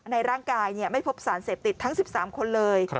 ในร่างกายไม่พบสารเสพติดทั้ง๑๓คนเลย